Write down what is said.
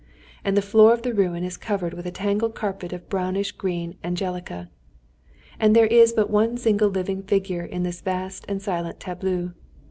And the floor of the ruin is covered with a tangled carpet of brownish green angelica. And there is but one single living figure in this vast and silent tableau.